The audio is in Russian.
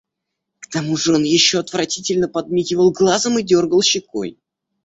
К тому же он еще отвратительно подмигивал глазом и дергал щекой.